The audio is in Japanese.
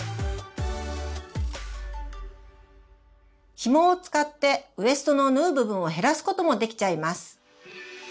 ヒモを使ってウエストの縫う部分を減らすこともできちゃいます！